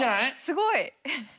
すごい。